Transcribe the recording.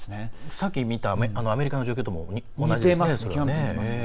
さっき見たアメリカの状況とも似ていますね。